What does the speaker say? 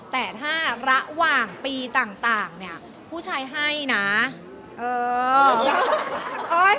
แต่ถ้าระหว่างปีต่างเนี่ยผู้ชายให้นะเออ